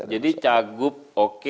jadi cagup oke